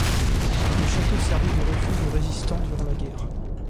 Le château servit de refuge aux résistants durant la guerre.